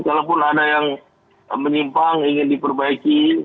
kalaupun ada yang menyimpang ingin diperbaiki